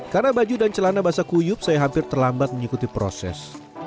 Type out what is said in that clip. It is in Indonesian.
karena baju dan celana basah kuyuk saya hampir terlambat mengikuti proses